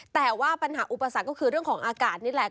แต่ว่าปัญหาอุปสรรคก็คือเรื่องของอากาศนี่แหละ